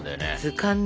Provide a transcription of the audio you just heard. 図鑑ね。